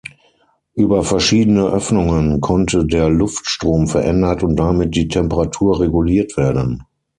Über verschiedene Öffnungen konnte der Luftstrom verändert und damit die Temperatur reguliert werden.